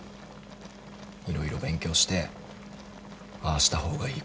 色々勉強してああした方がいい